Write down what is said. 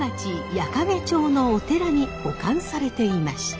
矢掛町のお寺に保管されていました。